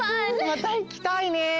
またいきたいねえ。